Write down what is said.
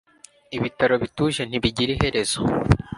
ibitaro bituje ntibigira iherezo